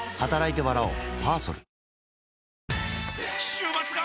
週末が！！